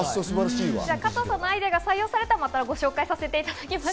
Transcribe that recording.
加藤さんのアイデアが採用されたら、また紹介したいと思います。